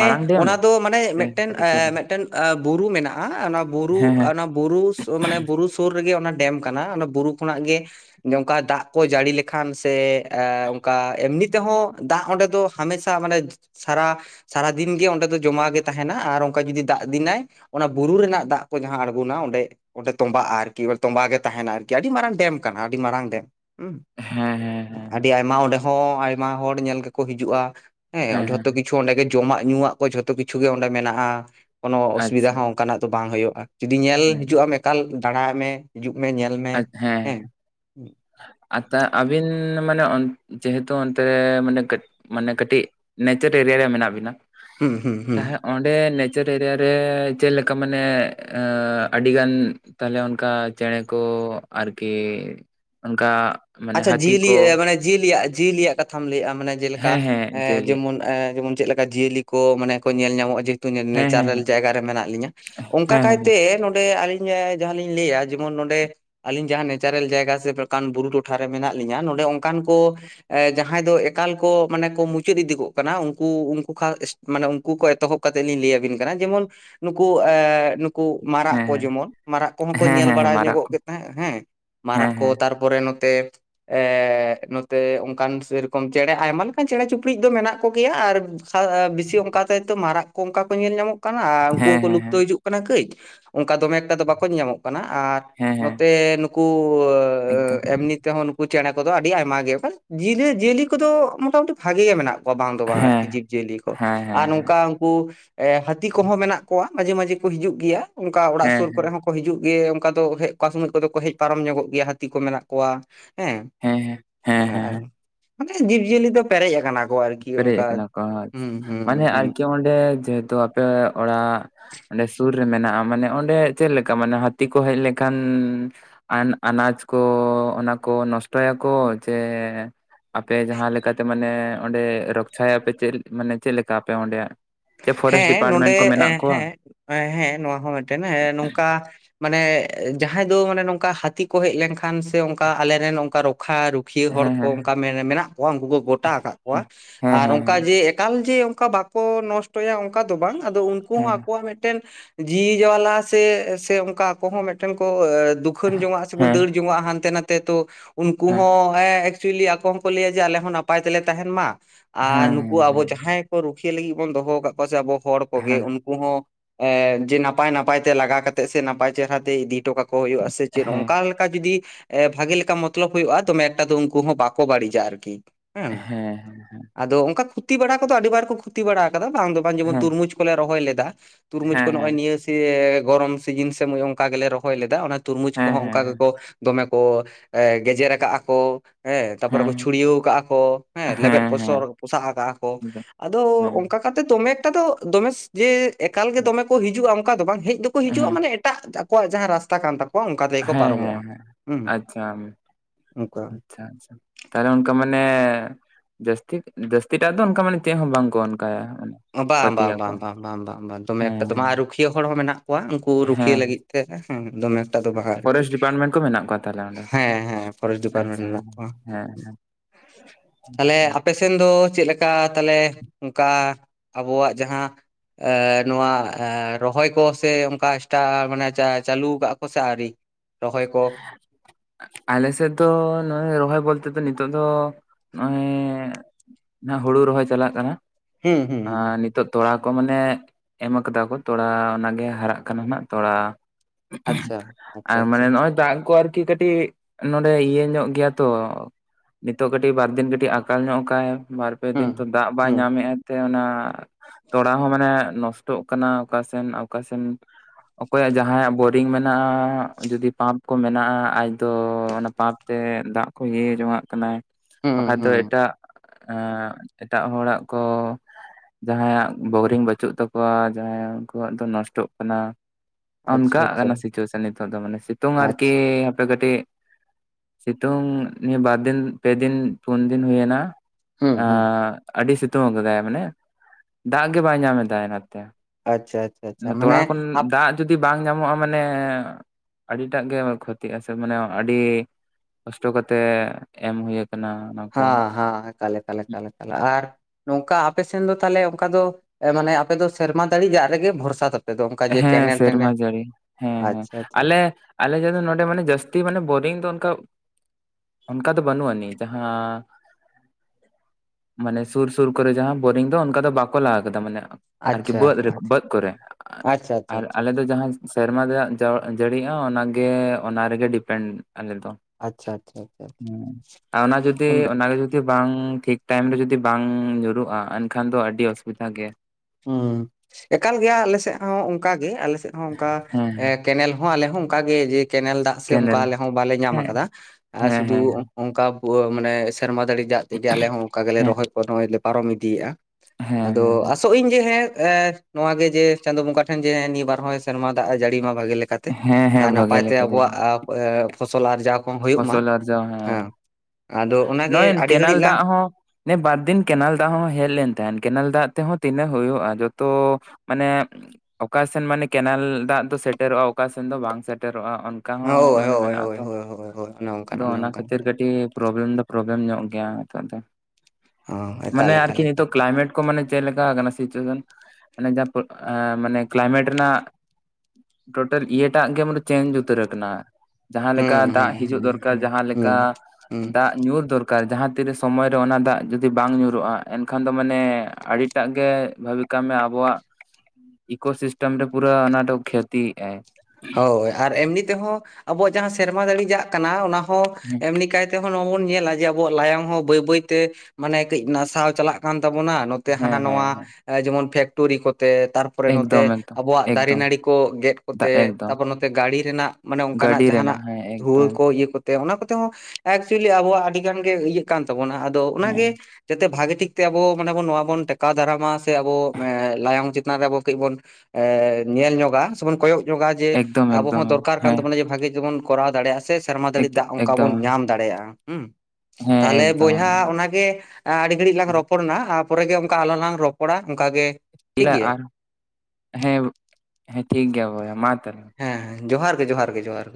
ᱢᱟᱨᱟᱝ ᱰᱮᱢ ᱚᱱᱟ ᱫᱚ ᱢᱟᱱᱮ ᱥᱮ ᱢᱤᱫᱴᱮᱱ ᱠᱟᱹᱴᱤᱡ ᱪᱮᱫ ᱮ ᱞᱮᱠᱟ ᱢᱤᱫᱴᱮᱱ ᱵᱩᱨᱩ ᱢᱮᱱᱟᱜᱼᱟ ᱚᱱᱟ ᱵᱩᱨᱩ ᱦᱮᱸ ᱚᱱᱟ ᱵᱩᱨᱩᱥ ᱢᱟᱱᱮ ᱵᱩᱨᱩᱥ ᱥᱩᱨ ᱨᱮᱜᱮ ᱚᱱᱟ ᱰᱮᱢ ᱠᱟᱱᱟ ᱚᱱᱟ ᱵᱩᱨᱩ ᱠᱷᱚᱱᱟᱜ ᱜᱮ ᱱᱚᱝᱠᱟ ᱫᱟᱜ ᱠᱚ ᱡᱟᱹᱲᱤ ᱞᱮᱠᱷᱟᱱ ᱥᱮ ᱮ ᱚᱱᱠᱟ ᱮᱢᱱᱤ ᱛᱮᱦᱚᱸ ᱫᱟᱜ ᱚᱸᱰᱮ ᱫᱚ ᱦᱟᱢᱮᱥᱟ ᱢᱟᱱᱮ ᱥᱟᱨᱟ ᱥᱟᱨᱟᱫᱤᱱ ᱜᱮ ᱚᱸᱰᱮ ᱫᱚ ᱡᱚᱢᱟ ᱜᱮ ᱛᱟᱦᱮᱱᱟ ᱟᱨ ᱚᱱᱠᱟ ᱡᱩᱫᱤ ᱫᱟᱜ ᱫᱤᱱᱟᱭ᱾ ᱚᱱᱟ ᱵᱩᱨᱩ ᱨᱮᱱᱟᱜ ᱫᱟᱜ ᱠᱚ ᱡᱟᱦᱟᱸ ᱟᱬᱜᱚᱱᱟ ᱚᱸᱰᱮ ᱚᱸᱰᱮ ᱛᱚᱸᱵᱟᱜᱼᱟ ᱟᱨᱠᱤ ᱛᱚᱸᱵᱟ ᱜᱮ ᱛᱟᱦᱮᱱᱟ ᱟᱨᱠᱤ ᱟᱹᱰᱤ ᱢᱟᱨᱟᱝ ᱰᱮᱢ ᱠᱟᱱᱟ ᱟᱹᱰᱤ ᱢᱟᱨᱟᱝ ᱰᱮᱢ ᱦᱮᱸ᱾ ᱦᱮᱸ ᱦᱮᱸ ᱦᱮᱸ ᱦᱮᱸ ᱟᱹᱰᱤ ᱟᱭᱢᱟ ᱚᱸᱰᱮ ᱦᱚᱸ ᱟᱭᱢᱟ ᱦᱚᱲ ᱧᱮᱞ ᱜᱮᱠᱚ ᱦᱤᱡᱩᱜᱼᱟ ᱦᱮᱸ ᱡᱷᱚᱛᱚ ᱠᱤᱪᱷᱩ ᱚᱸᱰᱮ ᱜᱮ ᱡᱚᱢᱟᱜ ᱧᱩᱣᱟᱜ ᱠᱚ ᱡᱷᱚᱛᱚ ᱠᱤᱪᱷᱩ ᱜᱮ ᱚᱸᱰᱮ ᱢᱮᱱᱟᱜᱼᱟ ᱠᱳᱱᱳ ᱚᱥᱩᱵᱤᱫᱟ ᱟᱪᱪᱷᱟ ᱦᱚᱸ ᱚᱱᱠᱟᱱᱟᱜ ᱫᱚ ᱵᱟᱝ ᱦᱩᱭᱩᱜᱼᱟ᱾ ᱡᱩᱫᱤ ᱧᱮᱞ ᱦᱤᱡᱩᱜ ᱦᱮᱸ ᱟᱢ ᱮᱠᱟᱞ ᱫᱟᱬᱟᱭ ᱢᱮ ᱦᱤᱡᱩᱜ ᱢᱮ ᱧᱮᱞ ᱢᱮ ᱦᱮᱸ᱾ ᱟᱛᱟ ᱟᱹᱵᱤᱱ ᱢᱟᱱᱮ ᱡᱮᱦᱮᱛᱩ ᱚᱱᱛᱮ ᱨᱮ ᱢᱟᱱᱮ ᱠᱟᱴ ᱢᱟᱱᱮ ᱠᱟᱹᱴᱤᱜ ᱱᱮᱪᱟᱨ ᱮᱨᱤᱭᱟ ᱨᱮ ᱢᱮᱱᱟᱜ ᱵᱤᱱᱟ? ᱦᱩᱸ ᱦᱩᱸ ᱦᱩᱸ᱾ ᱛᱟᱦᱮᱸ ᱚᱸᱰᱮ ᱱᱮᱪᱟᱨ ᱮᱨᱤᱭᱟ ᱨᱮ ᱪᱮᱫ ᱞᱮᱠᱟ ᱢᱟᱱᱮ ᱟᱹᱰᱤ ᱜᱟᱱ ᱛᱟᱦᱚᱞᱮ ᱚᱱᱠᱟ ᱪᱮᱬᱮ ᱠᱚ ᱟᱨᱠᱤ ᱚᱱᱠᱟ ᱢᱟᱱᱮ ᱟᱪᱪᱷᱟ ᱦᱟᱹᱛᱤ ᱡᱤᱭᱟᱹᱞᱤ ᱠᱚ ᱢᱟᱱᱮ ᱡᱤᱭᱟᱹᱞᱤᱭᱟᱜ ᱡᱤᱭᱟᱹᱞᱤᱭᱟᱜ ᱠᱟᱛᱷᱟᱢ ᱞᱟᱹᱭᱮᱜᱼᱟ, ᱢᱟᱱᱮ ᱡᱮᱞᱮᱠᱟ ᱦᱮᱸ ᱦᱮᱸ ᱮᱸ ᱡᱤᱭᱟᱹᱞᱤ ᱡᱮᱢᱚᱱ ᱮ ᱡᱮᱢᱚᱱ ᱪᱮᱫ ᱞᱮᱠᱟ ᱡᱤᱭᱟᱹᱞᱤ ᱠᱚ ᱢᱟᱱᱮ ᱠᱚ ᱧᱮᱞ ᱧᱟᱢᱚᱜᱼᱟ, ᱡᱮ ᱛᱚ ᱦᱮᱸ ᱦᱮᱸ ᱱᱮᱪᱟᱨᱮᱞ ᱦᱮᱸ ᱡᱟᱭᱜᱟ ᱨᱮ ᱢᱮᱱᱟᱜ ᱞᱤᱧᱟᱹ, ᱚᱱᱠᱟ ᱦᱮᱸ ᱦᱮᱸ ᱠᱟᱹᱭᱛᱮ ᱱᱚᱰᱮ ᱟᱹᱞᱤᱧ ᱡᱟᱦᱟᱸ ᱞᱤᱧ ᱞᱟᱹᱭᱟ, ᱡᱮᱢᱚᱱ ᱱᱚᱰᱮ ᱟᱞᱤᱧ ᱡᱟᱦᱟᱸ ᱱᱮᱪᱟᱨᱮᱞ ᱡᱟᱭᱜᱟ ᱥᱮᱟᱱ ᱵᱩᱨᱩ ᱴᱚ ᱴᱷᱟ ᱨᱮ ᱢᱮᱱᱟᱜ ᱞᱤᱧᱟᱹ, ᱱᱚᱰᱮ ᱚᱱᱠᱟᱱ ᱠᱚ ᱮᱸ ᱡᱟᱦᱟᱸᱭ ᱫᱚ ᱮᱠᱟᱞ ᱠᱚ ᱢᱟᱱᱮ ᱠᱚ ᱢᱩᱪᱟᱹᱫ ᱤᱫᱤ ᱠᱚᱜ ᱠᱟᱱᱟ, ᱩᱝᱠᱩ ᱩᱝᱠᱩ ᱢᱟᱱᱮ ᱩᱱᱠᱩ ᱠᱚ ᱮᱛᱚᱦᱚᱵ ᱠᱟᱛᱮᱜ ᱞᱤᱧ ᱞᱟᱹᱭᱟᱵᱤᱱ ᱠᱟᱱᱟ ᱡᱮᱢᱚᱱ ᱱᱩᱠᱩ ᱮᱻ ᱱᱩ ᱠᱩ ᱢᱟᱨᱟᱜ ᱠᱚ ᱦᱮᱸ ᱡᱮᱢᱚᱱ ᱢᱟᱨᱟᱜ ᱠᱚᱦᱚᱸ ᱠᱚ ᱦᱮᱸ ᱧᱮᱞ ᱦᱮᱸ ᱦᱮᱸ ᱵᱟᱲᱟ ᱢᱟᱨᱟᱜ ᱧᱚᱜᱚᱜ ᱠᱚ ᱜᱮ ᱛᱟᱦᱮᱸᱜ ᱦᱮᱸ, ᱦᱮᱸ ᱢᱟᱨᱟᱜ ᱠᱚ ᱦᱮᱸ ᱛᱟᱨ ᱯᱚᱨᱮ ᱱᱚᱛᱮ ᱮ ᱱᱚᱛᱮ ᱚᱱᱠᱟᱱ ᱥᱮᱨᱚᱠᱚᱢ ᱪᱮᱬᱮ ᱟᱭᱢᱟ ᱞᱮᱠᱟᱱ ᱪᱮᱬᱮ ᱪᱤᱯᱲᱩᱫ ᱫᱚ ᱢᱮᱱᱟᱜ ᱠᱚᱜᱮᱭᱟ, ᱟᱨ ᱠᱟ ᱵᱤᱥᱤ ᱚᱝᱠᱟ ᱛᱚ ᱢᱟᱨᱟᱜ ᱠᱚ ᱚᱝᱠᱟ ᱠᱚ ᱧᱮᱞ ᱧᱟᱢᱚᱜ ᱠᱟᱱᱟ ᱟᱨ ᱩᱝᱠᱩ ᱦᱮᱸ ᱦᱚᱸᱠᱚ ᱦᱮᱸ ᱞᱩᱯᱛᱚ ᱦᱮᱸ ᱦᱤᱡᱩᱜ ᱠᱟᱱᱟ ᱠᱟᱹᱡ ᱚᱱᱠᱟ ᱫᱚᱢᱮ ᱮᱠᱴᱟ ᱫᱚ ᱵᱟᱠᱚ ᱧᱟᱢᱚᱜ ᱠᱟᱱᱟ, ᱟᱨ ᱦᱮᱸ ᱦᱮᱸ ᱱᱚᱛᱮ ᱱᱩᱠᱩ ᱟᱹ ᱮᱠᱫᱚᱢ ᱮᱢᱱᱤ ᱛᱮᱦᱚᱸ ᱱᱩᱠᱩ ᱪᱮᱬᱮ ᱠᱚᱫᱚ ᱟᱹᱰᱤ ᱟᱭᱢᱟ ᱜᱮ ᱡᱤᱭᱟᱹᱞᱤ ᱡᱤᱭᱟᱹᱞᱤ ᱠᱚᱫᱚ ᱢᱚᱴᱟᱢᱩᱴᱤ ᱵᱷᱟᱜᱮ ᱜᱮ ᱢᱮᱱᱟᱜ ᱠᱚᱣᱟ ᱵᱟᱝ ᱫᱚ ᱵᱟᱝ ᱟᱨᱠᱤ ᱦᱮᱸ ᱡᱤᱵᱽ ᱡᱤᱭᱟᱹᱞᱤ ᱠᱚ ᱦᱮᱸ ᱟᱨ ᱦᱮᱸ ᱦᱮᱸ ᱱᱚᱝᱠᱟ ᱩᱝᱠᱩ ᱦᱟᱹᱛᱤ ᱠᱚᱦᱚᱸ ᱢᱮᱱᱟᱜ ᱠᱚᱣᱟ᱾ ᱢᱟᱡᱷᱮ ᱢᱟᱡᱷᱮ ᱠᱚ ᱦᱤᱡᱩᱜ ᱜᱮᱭᱟ ᱚᱝᱠᱟ ᱚᱲᱟᱜ ᱦᱮᱸ ᱥᱩᱨ ᱦᱮᱸ ᱠᱚᱨᱮ ᱦᱚᱸ ᱠᱚ ᱦᱤᱡᱩᱜ ᱜᱮ ᱚᱱᱠᱟ ᱫᱚ ᱦᱮᱡ ᱠᱚᱣᱟ ᱥᱚᱢᱚᱭ ᱠᱚᱫᱚ ᱠᱚ ᱦᱮᱡ ᱯᱟᱨᱚᱢ ᱧᱚᱜᱚᱜ ᱜᱮᱭᱟ ᱦᱟᱹᱛᱤ ᱠᱚ ᱢᱮᱱᱟᱜ ᱠᱚᱣᱟ, ᱦᱮᱸ ᱦᱮᱸ ᱦᱮᱸ ᱦᱮᱸ ᱟᱨ ᱢᱟᱱᱮ ᱡᱤᱵᱽ ᱡᱤᱭᱟᱹᱞᱤ ᱫᱚ ᱯᱮᱨᱮᱡ ᱠᱟᱱᱟ ᱠᱚ᱾ ᱟᱨᱠᱤ ᱯᱮᱨᱮᱡ ᱚᱱᱠᱟ ᱟᱠᱟᱱᱟ ᱠᱚ ᱦᱚ ᱟᱪᱪᱷᱟ, ᱦᱩᱸ ᱦᱩᱸ ᱢᱟᱱᱮ ᱦᱩᱸ ᱟᱨᱠᱤ ᱚᱸᱰᱮ ᱡᱮᱦᱮᱛᱩ ᱟᱯᱮ ᱚᱲᱟᱜ ᱚᱸᱰᱮ ᱥᱩᱨ ᱨᱮ ᱢᱮᱱᱟᱜᱼᱟ ᱢᱟᱱᱮ ᱚᱸᱰᱮ ᱪᱮᱫ ᱞᱮᱠᱟ ᱢᱟᱱᱮ ᱦᱟᱹᱛᱤ ᱠᱚ ᱦᱮᱡ ᱞᱮᱠᱷᱟᱱ ᱟᱱ ᱟᱱᱟᱡ ᱠᱚ ᱚᱱᱟ ᱠᱚ ᱱᱚᱥᱴᱚᱭᱟᱠᱚ ᱡᱮ ᱟᱯᱮ ᱡᱟᱦᱟᱸ ᱞᱮᱠᱟᱛᱮ ᱢᱟᱱᱮ ᱚᱸᱰᱮ ᱨᱚᱠᱪᱷᱟᱭᱟᱯᱮ ᱪᱮᱫ ᱢᱟᱱᱮ ᱪᱮᱫ ᱞᱮ ᱞᱮᱠᱟ ᱟᱯᱮ ᱚᱸᱰᱮ? ᱪᱮ ᱯᱷᱚᱨᱮᱥᱴ ᱦᱮᱸ ᱱᱚᱸᱰᱮ ᱰᱤᱯᱟᱨᱴᱢᱮᱱᱴ ᱠᱚ ᱢᱮᱱᱟᱜ ᱠᱚᱣᱟ ᱦᱮᱸ ᱮ ᱦᱮᱸ ᱱᱚᱣᱟ ᱦᱚᱸ ᱢᱤᱫᱴᱮᱱ ᱱᱚᱝᱠᱟ ᱢᱟᱱᱮ ᱡᱟᱦᱟᱸᱭ ᱫᱚ ᱢᱟᱱᱮ ᱱᱚᱝᱠᱟ ᱦᱟᱹᱛᱤ ᱠᱚ ᱦᱮᱡ ᱞᱮᱱᱠᱷᱟᱱ, ᱥᱮ ᱚᱝᱠᱟ ᱟᱞᱮᱨᱮᱱ ᱚᱝᱠᱟ ᱨᱚ ᱠᱷᱤᱭᱟᱹ ᱦᱚᱲ ᱦᱮᱸ ᱠᱚ ᱦᱮᱸ ᱚᱝᱠᱟ ᱢᱮᱱᱟᱜ ᱠᱚᱣᱟ, ᱩᱱᱠᱩ ᱠᱚ ᱜᱚᱴᱟ ᱠᱟᱜ ᱠᱚᱣᱟ᱾ ᱦᱮᱸ ᱟᱨ ᱚᱝᱠᱟ ᱦᱮᱸ ᱡᱮ ᱮᱠᱟᱞ ᱡᱮ ᱚᱱᱠᱟ ᱵᱟ ᱠᱚ ᱱᱚᱥᱴᱚᱭᱟ ᱚᱝᱠᱟ ᱫᱚ ᱵᱟᱝ ᱟᱫᱚ ᱩᱱᱠᱩ ᱦᱚᱸ ᱦᱮᱸ ᱟᱠᱚᱣᱟᱜ ᱢᱤᱫᱴᱮᱱ ᱡᱤᱣᱤ ᱡᱟᱣᱟᱞᱟ ᱥᱮ ᱥᱮ ᱚᱱᱝᱠᱟ ᱟᱠᱚ ᱦᱚᱸ ᱢᱤᱫᱴᱮᱱ ᱠᱚ ᱫᱩᱠᱷᱟᱹᱱ ᱡᱚᱝᱟᱜ ᱥᱮ ᱠᱚ ᱦᱮᱸ ᱫᱟᱹᱲ ᱡᱚᱝᱚᱜᱼᱟ ᱦᱟᱸᱱᱛᱮ ᱱᱟᱛᱮ ᱛᱚ ᱩᱱᱠᱩ ᱦᱮᱸ ᱦᱚᱸ ᱦᱮᱸ ᱮᱠᱪᱩᱭᱮᱞᱤ ᱟᱠᱚ ᱦᱚᱸᱠᱚ ᱞᱟᱹᱭᱟ ᱡᱮ ᱟᱞᱮ ᱦᱚᱸ ᱱᱟᱯᱟᱭ ᱛᱮᱞᱮ ᱛᱟᱦᱮᱸᱱ ᱢᱟ, ᱟᱨ ᱦᱮᱸ ᱱᱩᱠᱩ ᱟᱵᱚ ᱦᱮᱸ ᱡᱟᱦᱟᱸᱭ ᱠᱚ ᱨᱩᱠᱷᱤᱭᱟᱹ ᱞᱟᱹᱜᱤᱫ ᱵᱚᱱ ᱫᱚᱦᱚ ᱠᱟᱫ ᱠᱚᱣᱟ, ᱥᱮ ᱟᱵᱚ ᱦᱚᱲ ᱠᱚᱜᱮ ᱦᱮᱸ ᱩᱱ ᱠᱩ ᱦᱚᱸ ᱮ ᱡᱮ ᱱᱟᱯᱟᱭ ᱱᱟᱯᱟᱭ ᱛᱮ ᱞᱟᱜᱟ ᱠᱟᱛᱮᱜ ᱥᱮ ᱱᱟᱯᱟᱭ ᱪᱮᱨᱦᱨᱟ ᱛᱮ ᱤᱫᱤ ᱦᱚᱴᱚ ᱠᱟ ᱠᱚ ᱦᱩᱭᱩᱜᱼᱟ ᱥᱮ ᱪᱮᱫ ᱦᱮᱸ ᱚᱱᱠᱟ ᱞᱮᱠᱟ ᱡᱩᱫᱤ ᱮ ᱵᱷᱟᱹᱜᱤ ᱞᱮᱠᱟ ᱢᱚᱛᱞᱚᱵ ᱦᱩᱭᱩᱜᱼᱟ, ᱫᱚᱢᱮᱠᱴᱟ ᱫᱚ ᱩᱱᱠᱩ ᱦᱚᱸ ᱵᱟᱠᱚ ᱵᱟᱹᱲᱤᱡᱟ ᱟᱨᱠᱤ᱾ ᱦᱮᱸ ᱦᱮᱸ ᱦᱮᱸ᱾ ᱟᱫᱚ ᱚᱱᱠᱟ ᱠᱷᱚᱛᱤ ᱵᱟᱲᱟ ᱠᱚᱫᱚ ᱟᱹᱰᱤ ᱵᱟᱨ ᱠᱚ ᱠᱷᱩᱚᱛᱤ ᱵᱟᱲᱟ ᱠᱟᱫᱟ, ᱵᱟᱝ ᱫᱚ ᱵᱟᱝ ᱦᱮᱸ ᱡᱮᱢᱚᱱ ᱦᱮᱸ ᱛᱩᱨᱢᱩᱡᱽ ᱠᱚᱞᱮ ᱨᱚᱦᱚᱭ ᱞᱮᱫᱟ ᱛᱩᱨᱢᱩᱡᱽ ᱠᱚ ᱦᱮᱸ ᱦᱮᱸ ᱱᱚᱜᱼᱚᱭ ᱦᱮᱸ ᱱᱤᱭᱟᱹ ᱥᱮ ᱜᱚᱨᱚᱢ ᱥᱤᱡᱤᱱ ᱥᱮ ᱱᱚᱜ ᱚᱱᱠᱟ ᱜᱮᱞᱮ ᱨᱚᱦᱚᱭ ᱞᱮᱫᱟ᱾ ᱚᱱᱟ ᱛᱩᱨᱢᱩᱡᱽ ᱦᱮᱸ ᱦᱮᱸ ᱠᱚᱦᱚᱸ ᱚᱝᱠᱟ ᱦᱮᱸ ᱜᱮᱠᱚ ᱫᱚᱢᱮ ᱠᱚ ᱮ ᱜᱮᱡᱮᱨ ᱠᱟᱜᱼᱟ ᱠᱚ᱾ ᱦᱮᱸ ᱛᱟᱯᱚᱨᱮ ᱠᱚ ᱪᱷᱩᱲᱭᱟᱹᱣᱟᱠᱟᱜᱼᱟ ᱠᱚ ᱦᱮᱸ ᱞᱮᱵᱮᱫ ᱯᱚᱥᱚᱨ ᱯᱚᱥᱟᱜ ᱠᱟᱜ ᱟᱠᱚ ᱮᱠᱫᱚᱢ ᱦᱮᱸ ᱚᱝ ᱠᱟ ᱠᱟᱛᱮ ᱫᱚᱢᱮ ᱮᱠᱴᱟ ᱫᱚᱢᱮ ᱡᱮ ᱮᱠᱟᱞ ᱜᱮ ᱫᱚᱢᱮ ᱠᱚ ᱦᱤᱡᱩᱜᱼᱟ, ᱚᱝᱠᱟ ᱫᱚ ᱵᱟᱝ ᱦᱮᱡ ᱫᱚᱠᱚ ᱦᱮᱸ ᱦᱤᱡᱩᱜᱼᱟ ᱦᱮᱸ ᱢᱟᱱᱮ ᱴᱟᱜ ᱟᱠᱚᱣᱟᱜ ᱡᱟᱦᱟᱸ ᱨᱟᱥᱛᱟ ᱠᱟᱱ ᱛᱟ ᱠᱚ ᱚᱱᱠᱟ ᱛᱮᱜᱮᱠᱚ ᱦᱮᱸ ᱯᱟᱨᱚᱢᱚᱜᱼᱟ ᱦᱮᱸ ᱩᱸ ᱟᱪᱪᱷᱟ ᱚᱱᱠᱟ᱾ ᱟᱪᱪᱷᱟ ᱟᱪᱪᱷᱟ ᱛᱟᱦᱚᱞᱮ ᱚᱱᱠᱟ ᱢᱟᱱᱮ ᱡᱟᱹᱥᱛᱤ ᱡᱟᱹᱥᱛᱤᱴᱟᱜ ᱫᱚ ᱚᱱᱠᱟ ᱢᱟᱱᱮ ᱪᱮᱫ ᱦᱚᱸ ᱵᱟᱝᱠᱚ ᱚᱱᱠᱟᱭᱟ᱾ ᱵᱟᱝ ᱵᱟᱝ ᱠᱷᱚᱛᱤᱭᱟᱠᱚ ᱵᱟᱝ ᱵᱟᱝ ᱵᱟᱝ ᱵᱟᱝ ᱵᱟᱝ ᱫᱚᱢᱮ ᱦᱮᱸ ᱮᱠᱴᱟ ᱫᱚᱢᱮ ᱦᱮᱸ ᱟᱨ ᱨᱩᱠᱷᱤᱭᱟᱹ ᱦᱚᱲ ᱦᱚᱸ ᱢᱮᱱᱟᱜ ᱠᱚᱣᱟ ᱩᱱᱠᱩ ᱨᱩᱠᱷᱭᱤᱭᱟᱹ ᱞᱟᱹᱜᱤᱫ ᱛᱮ ᱫᱚᱢᱮ᱾ ᱫᱚ ᱟᱪ ᱵᱟᱝ ᱟᱨᱠᱤ ᱯᱷᱚᱨᱮᱥᱴ ᱰᱤᱯᱟᱨᱴᱢᱮᱱᱴ ᱠᱚ ᱢᱮᱱᱟᱜ ᱠᱚᱣᱟ ᱛᱟᱦᱚᱞᱮ ᱚᱸᱰᱮ ᱦᱮᱸ ᱦᱮᱸ ᱯᱷᱚᱨᱮᱥᱴ ᱰᱤᱯᱟᱨᱴᱢᱮᱱᱴ ᱟᱪᱪᱷᱟ ᱢᱮᱱᱟᱜ ᱠᱚᱣᱟ ᱦᱮᱸ ᱦᱮᱸ᱾ ᱛᱟᱦᱞᱮ ᱦ ᱟᱯᱮ [unintelligible] ᱥᱮᱱ ᱫᱚ ᱪᱮᱫ ᱞᱮᱠᱟ ᱛᱟᱦᱟᱞᱮ ᱚᱱᱠᱟ ᱟᱵᱚᱣᱟᱜ ᱡᱟᱦᱟᱸ ᱮ ᱱᱚᱣᱟ ᱮ ᱨᱚᱦᱚᱭ ᱠᱚ ᱥᱮ ᱚᱱᱠᱟ ᱮᱥᱴᱟ ᱢᱟᱱᱮ ᱪᱟᱹᱞᱩ ᱠᱟᱜᱼᱟ ᱠᱚᱥᱮ ᱟᱹᱣᱨᱤ? ᱨᱚᱦᱚᱭ ᱠᱚ ᱟᱞᱮ ᱥᱮᱫ ᱫᱚ ᱱᱚᱜᱼᱚᱭ ᱨᱚᱦᱚᱭ ᱵᱚᱞᱛᱮ ᱫᱚ ᱱᱤᱛᱚᱜ ᱫᱚ ᱱᱚᱜᱼᱚᱭ ᱦᱩᱲᱩ ᱨᱚᱦᱚᱭ ᱪᱟᱞᱟᱜ ᱠᱟᱱᱟ ᱦᱩᱸ ᱦᱩᱸ ᱦᱩᱸ ᱟᱨ ᱱᱤᱛᱳ ᱛᱚᱲᱟ ᱠᱚ ᱢᱟᱱᱮ ᱮᱢ ᱠᱟᱫᱟ ᱠᱚ ᱛᱚᱲᱟ ᱚᱱᱟᱜᱮ ᱦᱟᱨᱟᱜ ᱠᱟᱱᱟ ᱦᱟᱸᱜ ᱛᱚᱲᱟ ᱟᱪᱪᱷᱟ ᱟᱪᱪᱷᱟ ᱟᱨ ᱢᱟᱱᱮ ᱟᱪᱪᱷᱟ ᱟᱪᱪᱷᱟ᱾ ᱱᱚᱜᱼᱚᱭ ᱫᱟᱜ ᱠᱚ ᱟᱨᱠᱤ ᱠᱟᱹᱴᱤᱡ ᱱᱚᱰᱮ ᱤᱭᱟᱹ ᱧᱚᱜ ᱜᱮᱭᱟ ᱛᱚ ᱱᱤᱛᱚᱜ ᱠᱟᱹᱴᱤᱡ ᱵᱟᱨᱫᱤᱱ ᱠᱟᱹᱴᱤᱡ ᱟᱠᱟᱞ ᱧᱚᱜ ᱠᱟᱭ ᱵᱟᱨ ᱯᱮᱫᱤᱱ ᱦᱩᱸ ᱛᱚ ᱫᱟᱜ ᱵᱟᱭ ᱦᱩᱸ ᱧᱟᱢᱮᱫᱼᱟ ᱛᱮ ᱚᱱᱟ ᱛᱚᱲᱟ ᱦᱚᱸ ᱢᱟᱱᱮ ᱱᱚᱥ ᱴᱚᱜ ᱠᱟᱱᱟ ᱚᱠᱟᱥᱮᱱ ᱚᱠᱟᱥᱮᱱ ᱚᱠᱚᱭᱟᱜ ᱡᱟᱦᱟᱸᱭᱟᱜ ᱵᱳᱨᱤᱝ ᱢᱮᱱᱟᱜᱼᱟ ᱡᱩᱫᱤ ᱯᱟᱢᱯ ᱠᱚ ᱢᱮᱱᱟᱜᱼᱟ ᱟᱡ ᱫᱚ ᱚᱱᱟ ᱯᱟᱯᱛᱮ ᱫᱟᱜ ᱠᱚ ᱤᱭᱟᱹ ᱡᱚᱝᱟᱜ ᱠᱟᱱᱟᱭ᱾ ᱦᱩᱸ ᱵᱟᱠᱷᱟᱡ ᱫᱚ ᱦᱩᱸ ᱮᱴᱟᱜ ᱮᱴᱟᱜ ᱦᱚᱲᱟᱜ ᱠᱚ ᱡᱟᱦᱟᱸᱭᱟᱜ ᱵᱳᱜᱽᱨᱤᱝ ᱵᱟᱹᱪᱩᱜ ᱛᱟᱠᱚᱣᱟ ᱡᱟᱦᱟᱸᱭᱟᱜ ᱩᱱᱠᱩᱣᱟᱜ ᱫᱚ ᱱᱚᱥᱴᱚᱜ ᱠᱟᱱᱟ᱾ ᱟᱪᱪᱷᱟ ᱚᱱᱠᱟ ᱟᱪᱪᱷᱟ ᱠᱟᱱᱟ ᱥᱤᱪᱩᱭᱮᱥᱚᱱ ᱱᱤᱛᱚᱜ ᱫᱚ ᱢᱟᱱᱮ ᱥᱤᱛᱩᱝ ᱟᱨᱠᱤ ᱟᱪᱪᱷᱟ ᱦᱟᱯᱮ ᱠᱟᱹᱴᱤᱡ ᱥᱤᱛᱩᱝ ᱱᱤᱭᱟᱹ ᱵᱟᱨ ᱫᱤᱱ ᱯᱮ ᱫᱤᱱ ᱯᱩᱱ ᱫᱤᱱ ᱦᱩᱭᱮᱱᱟ ᱦᱩᱸ ᱦᱩᱸ ᱟᱹᱰᱤ ᱥᱤᱛᱩᱝ ᱠᱟᱫᱟᱭ ᱢᱟᱱᱮ ᱫᱟᱜ ᱜᱮ ᱵᱟᱭ ᱧᱟᱢᱮᱫᱟᱭ ᱱᱟᱛᱮ᱾ ᱟᱪᱪᱷᱟ ᱾ ᱛᱚᱲᱟ ᱠᱷᱚᱱ ᱫᱟᱜ ᱡᱩᱫᱤ ᱵᱟᱝ ᱧᱟᱢᱚᱜᱼᱟ ᱢᱟᱱᱮ ᱟᱹᱰᱤᱴᱟᱜ ᱜᱮ ᱠᱷᱚᱛᱤᱜᱼᱟ ᱥᱮ ᱢᱟᱱᱮ ᱟᱹᱰᱤ ᱠᱚᱥᱴᱚ ᱠᱟᱛᱮᱜ ᱮᱢ ᱦᱩᱭ ᱟᱠᱟᱱᱟ᱾ ᱚᱱᱟ ᱠᱚ ᱦᱟᱸ ᱦᱟᱸ ᱮᱠᱟᱞ ᱮᱠᱟᱞ ᱮᱠᱟᱞ ᱮᱠᱟᱞ ᱟᱨ ᱱᱚᱝᱠᱟ ᱟᱯᱮ ᱥᱮᱱ ᱫᱚ ᱛᱷᱟᱞᱮ ᱚᱱᱠᱟ ᱫᱚ ᱢᱟᱱᱮ ᱟᱯᱮ ᱫᱚ ᱥᱮᱨᱢᱟ ᱫᱟᱲᱤ ᱡᱟᱜ ᱨᱮᱜᱮ ᱵᱷᱚᱨᱥᱟ ᱛᱟ ᱦᱮᱸ ᱥᱮᱨᱢᱟ ᱡᱟᱹᱲᱤ ᱦᱮᱸ ᱦᱮᱸ ᱟᱪᱪᱷᱟ ᱟᱪᱪᱷᱟ ᱟᱞᱮ ᱟᱞᱮ ᱡᱚ ᱱᱚᱰᱮ ᱢᱟᱱᱮ ᱡᱟᱹᱥᱛᱤ ᱢᱟᱱᱮ ᱵᱳᱨᱤᱝ ᱫᱚ ᱚᱱᱠᱟ ᱚᱱᱠᱟ ᱫᱚ ᱵᱟᱹᱱᱩᱜ ᱟᱱᱤᱡ ᱡᱟᱦᱟᱸ ᱢᱟᱱᱮ ᱥᱩᱨ ᱥᱩᱨ ᱠᱚᱨᱮ ᱡᱟᱦᱟᱸ ᱵᱳᱨᱤᱝ ᱫᱚ ᱚᱱᱠᱟ ᱫᱚ ᱵᱟᱠᱚ ᱞᱟ ᱟᱠᱟᱫᱟ ᱢᱟᱱᱮ ᱟᱨᱠᱤ ᱟᱪᱪᱷᱟ ᱵᱟᱹᱫᱽ ᱨᱮ ᱟᱪᱪᱷᱟ ᱵᱟᱹᱫᱽ ᱠᱚᱨᱮ᱾ ᱟᱪᱪᱷᱟ ᱟᱪᱪᱷᱟ ᱟᱨ ᱟᱪᱪᱷᱟ ᱟᱞᱮ ᱫᱚ ᱡᱟᱦᱟᱸ ᱥᱮᱨᱢᱟ ᱨᱮᱭᱟᱜ ᱡᱟᱹᱲᱤᱜᱼᱟ ᱚᱱᱟᱜᱮ ᱚᱱᱟ ᱨᱮᱜᱮ ᱰᱤᱯᱮᱱᱰ ᱟᱞᱮᱫᱚ᱾ ᱟᱪᱪᱷᱟ ᱟᱪᱪᱷᱟ ᱟᱪᱪᱷᱟ ᱟᱨ ᱚᱱᱟ ᱡᱩᱫᱤ ᱦᱩᱸ ᱚᱱᱟᱜᱮ ᱡᱩ ᱵᱟᱝ ᱴᱷᱤᱠ ᱴᱟᱭᱤᱢ ᱨᱮ ᱡᱩᱫᱤ ᱵᱟᱝ ᱧᱩᱨᱩᱜᱼᱟ ᱮᱱᱠᱷᱟᱱ ᱫᱚ ᱟᱹᱰᱤ ᱚᱥᱩᱵᱤᱫᱷᱟ ᱜᱮᱭᱟ᱾ ᱦᱮᱸ ᱮᱠᱟᱞ ᱜᱮᱭᱟ ᱟᱞᱮ ᱥᱮᱫ ᱦᱚᱸ ᱚᱱᱠᱟᱜ ᱜᱮ ᱟᱞᱮ ᱥᱮᱫ ᱦᱚᱸ ᱚᱱᱠᱟ ᱦᱮᱸ ᱦᱮᱸ ᱮᱠ ᱠᱮᱱᱮᱞ ᱦᱚᱸ ᱟᱞᱮ ᱦᱚᱸ ᱚᱱᱠᱟᱜ ᱜᱮ ᱡᱮ ᱠᱮᱱᱮᱞ ᱫᱟᱜ ᱥᱮ ᱚᱱᱠᱟ ᱠᱮᱱᱮᱞ ᱟᱞᱮ ᱦᱚᱸ ᱵᱟᱞᱮ ᱧᱟᱢ ᱦᱮᱸ ᱟᱠᱟᱫᱟ ᱟᱨ ᱦᱮᱸ ᱥᱩᱫᱩ ᱦᱮᱸ ᱚᱱᱠᱟ ᱢᱟᱱᱮ ᱥᱮᱨᱢᱟ ᱫᱟᱲᱤ ᱡᱟᱜ ᱛᱮᱜᱮ ᱟᱞᱮ ᱦᱚᱸ ᱚᱱᱠᱟ ᱜᱮᱞᱮ ᱦᱮᱸ ᱨᱚᱦᱚᱭ ᱠᱚ ᱱᱚᱜᱼᱚᱭ ᱞᱮ ᱯᱟᱨᱚᱢ ᱤᱫᱤᱭᱮᱼᱟ᱾ ᱦᱮᱸ ᱟᱫᱚ ᱦᱮᱸ ᱟᱥᱚᱜ ᱟᱹᱧ ᱡᱮ ᱦᱮᱸ ᱮ ᱱᱚᱣᱟ ᱜᱮ ᱡᱮ ᱪᱟᱸᱫᱳ ᱵᱚᱸᱜᱟ ᱴᱷᱮᱱ ᱡᱮ ᱱᱤᱭᱟᱹ ᱵᱟᱨ ᱦᱚᱸᱭ ᱥᱮᱨᱢᱟ ᱫᱟᱜ ᱮ ᱡᱟᱹᱲᱤ ᱢᱟ ᱵᱷᱟᱜᱮ ᱞᱮ ᱠᱟᱛᱮ ᱦᱮᱸ ᱦᱮᱸ ᱟᱨ ᱵᱷᱟᱜᱮ ᱱᱟᱯᱟᱭᱛᱮ ᱞᱮᱠᱟ ᱡᱟᱹᱲᱤ ᱟᱵᱚᱣᱟᱜ ᱯᱷᱚᱥᱚᱞ ᱟᱨᱡᱟᱣ ᱠᱚᱸ ᱦᱩᱭᱩᱜ ᱢᱟ ᱯᱷᱚᱥᱚᱞ ᱟᱨᱡᱟᱣ ᱦᱮᱸ ᱟᱫᱚ ᱚᱱᱟᱜᱮ ᱱᱚᱜᱼᱚᱭ ᱟᱹᱰᱤ ᱜᱷᱟᱹᱲᱤᱡ ᱠᱮᱱᱮᱞ ᱞᱟᱝ ᱫᱟᱜ ᱦᱚᱸ ᱱᱮ ᱵᱟᱨᱫᱤᱱ ᱠᱮᱱᱮᱞ ᱫᱟᱜ ᱦᱚᱸ ᱦᱮᱡ ᱞᱮᱱ ᱛᱟᱦᱮᱸᱱ ᱠᱮᱱᱮᱞ ᱫᱟᱜ ᱛᱮᱦᱚᱸ ᱛᱤᱱᱟᱹᱜ ᱦᱩᱭᱩᱜᱼᱟ ᱡᱚᱛᱚᱼᱼ ᱢᱟᱱᱮ ᱚᱠᱟ ᱥᱮᱱ ᱢᱟᱱᱮ ᱠᱮᱱᱮᱞ ᱫᱟᱜ ᱫᱚ ᱥᱮᱴᱮᱨᱚᱜᱼᱟ ᱚᱠᱟ ᱥᱮᱱ ᱫᱚ ᱵᱟᱝ ᱥᱮᱴᱮᱨᱚᱜᱼᱟ ᱚᱱᱠᱟ ᱦᱚᱸ ᱦᱳᱭ ᱢᱟᱱᱮ ᱦᱳᱭ ᱢᱮᱱᱟᱜ ᱦᱳᱭ ᱟᱛᱚ ᱦᱳᱭ ᱦᱳᱭ ᱦᱳᱭ ᱚᱱᱮ ᱚᱱᱠᱟᱱ ᱟᱫᱚ ᱚᱱᱮ ᱚᱱᱟ ᱚᱱᱠᱟᱱ ᱠᱷᱟᱹᱛᱤᱨ ᱠᱟᱛᱷᱟ ᱠᱟᱹᱴᱤᱡ ᱯᱨᱚᱵᱞᱮᱢ ᱫᱚᱼᱼ ᱯᱨᱚᱵᱞᱮᱢ ᱧᱚᱜ ᱜᱮᱭᱟ ᱱᱤᱛᱚᱜ ᱫᱚ ᱚ ᱢᱟᱱᱮ ᱮᱠᱟᱞ ᱮᱠᱟᱞ ᱟᱨᱠᱤ ᱱᱤᱛᱚᱜ ᱮᱠᱟᱞ ᱠᱞᱟᱭᱢᱮᱴᱼᱼ ᱠᱚ ᱢᱟᱱᱮ ᱪᱮᱫ ᱞᱮᱠᱟ ᱠᱟᱱᱟ ᱥᱤᱪᱩᱭᱮᱥᱚᱱ ᱢᱟᱱᱮ ᱡᱟ ᱢᱟᱱᱮ ᱠᱞᱟᱭᱢᱮᱴ ᱨᱮᱱᱟᱜ ᱴᱳᱴᱟᱞ ᱤᱭᱟᱹᱴᱟᱜ ᱜᱮ ᱢᱟᱱᱮ ᱪᱮᱧᱡᱽ ᱩᱛᱟᱹᱨ ᱟᱠᱟᱱᱟ [unintelligible] ᱦᱩᱸ ᱞᱮᱠᱟ ᱦᱩᱸ ᱫᱟᱜ ᱦᱤᱡᱩᱜ ᱦᱩᱸ ᱫᱚᱨᱠᱟᱨ ᱦᱩᱸ ᱡᱟᱦᱟᱸ ᱦᱩᱸ ᱞᱮᱠᱟ ᱦᱩᱸ ᱫᱟᱜ ᱧᱩᱨ ᱫᱚᱨᱼᱼ ᱠᱟᱨ ᱡᱟᱦᱟᱸ ᱛᱤᱨᱮ ᱥᱚᱢᱚᱭ ᱨᱮ ᱚᱱᱟ ᱫᱟᱜ ᱡᱩᱫᱤ ᱵᱟᱝ ᱧᱩᱨᱩᱜᱼᱟ ᱮᱱᱠᱷᱟᱱ ᱫᱚ ᱢᱟᱱᱮ ᱟᱹᱰᱤᱼᱼ ᱮᱴᱟᱜ ᱜᱮ ᱵᱷᱟᱵᱤ ᱠᱟᱜ ᱢᱮ ᱟᱵᱚᱣᱟᱜ ᱤᱠᱳ ᱥᱤᱥᱴᱮᱢ ᱨᱮ ᱯᱩᱨᱟᱹ ᱚᱱᱟ ᱫᱚ ᱠᱷᱮᱛᱤ ᱮ ᱟᱭ ᱦᱳᱭ ᱟᱨ ᱮᱢᱱᱤ ᱛᱮᱦᱚᱸ ᱟᱵᱚᱣᱟᱜ ᱡᱟᱦᱟᱸ ᱥᱮᱨᱢᱟ ᱫᱟᱲᱤ ᱡᱟᱜ ᱠᱟᱱᱟ ᱚᱱᱟ ᱦᱚᱸ ᱦᱮᱸ ᱮᱢᱱᱤ ᱠᱟᱭ ᱛᱮ ᱦᱚᱸ ᱱᱚᱣᱟ ᱵᱚᱱ ᱧᱮᱞᱟ ᱡᱮ ᱟᱵᱚᱣᱟᱜ ᱞᱟᱭᱚᱝ ᱦᱚᱸ ᱵᱟᱹᱭ ᱵᱟᱹᱭ ᱛᱮ ᱢᱟᱱᱮ ᱠᱟᱹᱡ ᱱᱟᱥᱟᱣ ᱪᱟᱞᱟᱜ ᱠᱟᱱ ᱛᱟᱵᱚᱱᱟ ᱱᱚᱛᱮ ᱦᱮᱸ ᱦᱟᱱᱟ ᱱᱚᱣᱟ ᱦᱮᱸ ᱡᱮᱢᱚᱱ ᱯᱷᱮᱠᱴᱚᱨᱤ ᱠᱚᱛᱮ [unintelligible] ᱛᱟᱯᱚᱨᱮ ᱱᱚᱛᱮ ᱮᱠᱫᱚᱢ ᱮᱠᱫᱚᱢ ᱟᱵᱚᱣᱟᱜ ᱫᱟᱨᱮ ᱮᱠᱫᱚᱢ ᱱᱟᱹᱲᱤ ᱠᱚ ᱜᱮᱫ ᱠᱚᱛᱮ ᱫᱟᱜ ᱮᱠᱫᱚᱢ ᱛᱟᱯᱚᱨ ᱱᱚᱛᱮ ᱜᱟᱹᱲᱤ ᱨᱮᱱᱟᱜ ᱢᱟᱱᱮ ᱚᱱᱠᱟᱱᱟᱜ ᱜᱟᱹᱰᱤ ᱨᱮᱱᱟᱜ ᱡᱟᱦᱱᱟᱜ ᱦᱮᱸ ᱫᱷᱩᱣᱟᱹ ᱮᱠᱫᱚᱢ ᱠᱚ ᱤᱭᱟᱹ ᱠᱚᱛᱮ ᱚᱱᱟ ᱠᱚᱛᱮ ᱦᱚᱸ ᱮᱠᱪᱩᱭᱮᱞᱤ ᱟᱵᱚᱣᱟᱜ ᱟᱹᱰᱤ ᱜᱟᱱ ᱜᱮ ᱤᱭᱟᱹᱜ ᱠᱟᱱ ᱛᱟᱵᱚᱱᱟ ᱟᱫᱚ ᱚᱱᱟ ᱦᱮᱸ ᱜᱮᱼᱼ ᱡᱟᱛᱮ ᱵᱷᱟᱜᱤ ᱴᱷᱤᱠ ᱛᱮ ᱟᱵᱚ ᱢᱟᱱᱮ ᱱᱚᱣᱟ ᱵᱚᱱ ᱴᱮᱠᱟᱣ ᱫᱟᱨᱟᱢᱟ ᱥᱮ ᱟᱵᱚ ᱞᱟᱭᱚᱝ ᱪᱮᱛᱟᱱ ᱨᱮ ᱠᱟᱹᱡ ᱵᱚᱱᱼᱼ ᱮ ᱧᱮᱞ ᱧᱚᱜᱟ ᱥᱮ ᱵᱚᱱ ᱠᱚᱭᱚᱜ ᱧᱚᱜ -ᱟ [unintelligible] ᱮᱠᱫᱚᱢ ᱟᱵᱚ ᱮᱠᱫᱚᱢ ᱦᱚᱸ ᱫᱚᱨᱠᱟᱨ ᱠᱟᱱ ᱦᱮᱸ ᱛᱟᱵᱚᱱᱟ ᱡᱮ ᱵᱷᱟᱜᱮ ᱛᱮᱵᱚᱱ ᱠᱚᱨᱟᱣ ᱫᱟᱲᱮᱭᱟᱜᱼᱟ ᱥᱮᱨᱢᱟ ᱡᱟᱲᱤ ᱮᱠᱫᱚᱢ ᱫᱟᱜ ᱚᱱᱠᱟ ᱵᱚᱱ ᱮᱠᱫᱚᱢ ᱧᱟᱢ ᱫᱟᱲᱮᱭᱟᱜᱼᱟ ᱦᱩᱸ ᱦᱮᱸ ᱛᱟᱦᱞᱮ ᱮᱠᱫᱚᱢ ᱵᱚᱭᱦᱟ ᱚᱱᱟ ᱜᱮᱼᱼ ᱟᱹᱰᱤ ᱜᱷᱟᱹᱲᱤᱡ ᱞᱟᱝ ᱨᱚᱯᱚᱲᱱᱟ ᱟᱨ ᱯᱚᱨᱮ ᱜᱮ ᱚᱱᱠᱟ ᱟᱞᱟᱝ ᱞᱟᱝ ᱨᱚᱯᱚᱲᱟ ᱚᱱᱠᱟ ᱜᱮᱼᱼ [unintelligible] ᱟᱨ ᱦᱮᱸ ᱦᱮᱸ ᱴᱷᱤᱠ ᱜᱮᱭᱟ ᱵᱚᱭᱦᱟ ᱢᱟ ᱛᱟᱦᱚᱞᱮ ᱦᱮᱸ ᱦᱮᱸ ᱡᱚᱦᱟᱨ ᱜᱮ ᱡᱚᱦᱟᱨ ᱜᱮ ᱡᱚᱦᱟᱨ ᱜᱮ